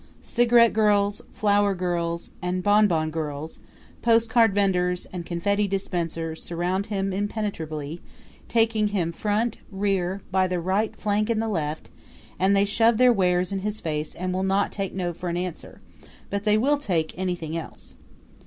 Cigarette girls, flower girls and bonbon girls, postcard venders and confetti dispensers surround him impenetrably, taking him front, rear, by the right flank and the left; and they shove their wares in his face and will not take No for an answer; but they will take anything else.